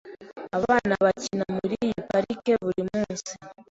Abana bakina muri iyi parike buri munsi.